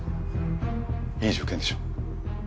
いい条件でしょ？